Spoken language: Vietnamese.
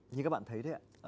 như các bạn thấy đấy ạ